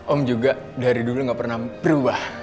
om juga dari dulu gak pernah berubah